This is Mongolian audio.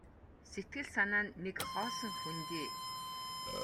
Сэтгэл санаа нь нэг хоосон хөндий.